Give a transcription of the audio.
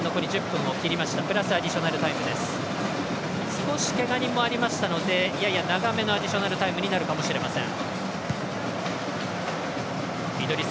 少しけが人もありましたのでやや長めのアディショナルタイムになるかもしれません。